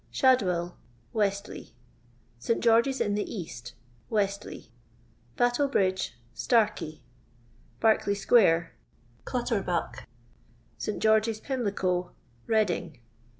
Shadwell Westlcy. St. Gcorge's in the East .. Ditto. Battle bridge Starkey. Berkeley square Clutterbuck. St. George's, Pimlico Redding.